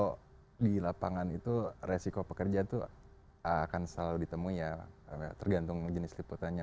kalau di lapangan itu resiko pekerja itu akan selalu ditemui ya tergantung jenis liputannya